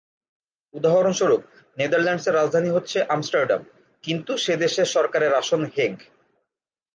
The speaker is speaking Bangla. উদাহরণস্বরূপ, নেদারল্যান্ডসের রাজধানী হচ্ছে আমস্টারডাম; কিন্তু সে দেশের সরকারের আসন হেগ।